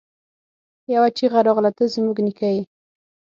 يوه چيغه راغله! ته زموږ نيکه يې!